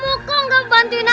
bukan contam lo interior ya